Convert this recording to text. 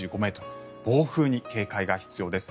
暴風に警戒が必要です。